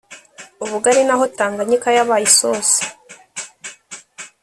ubugari n'aho tanganyika yabaye isosi!